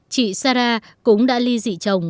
chị sara cũng đã ly dị chồng